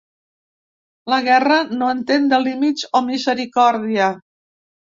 La guerra no entén de límits o misericòrdia.